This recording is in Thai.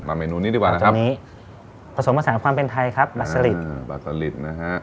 ทำเมนูนี้ดีกว่านะครับตรงนี้ผสมผสมความเป็นไทยครับบัสลิดนะฮะ